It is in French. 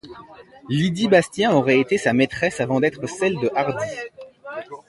Lydie Bastien aurait été sa maîtresse avant d'être celle de Hardy.